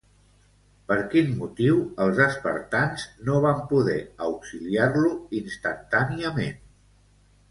Per quin motiu els espartans no van poder auxiliar-lo instantàniament?